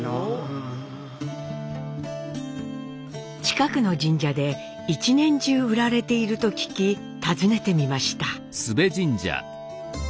近くの神社で一年中売られていると聞き訪ねてみました。